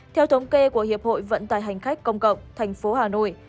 theo thống kê của hiệp hội vận tải hành khách công cộng tp hà nội